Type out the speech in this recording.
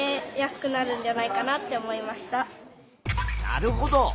なるほど。